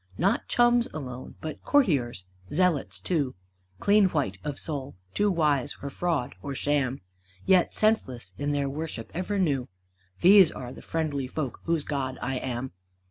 Not chums alone, but courtiers, zealots, too, Clean white of soul, too wise for fraud or sham; Yet senseless in their worship ever new. These are the friendly folk whose god I am.